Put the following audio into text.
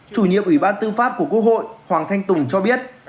chủ nhiệm ủy ban tư pháp của quốc hội hoàng thanh tùng cho biết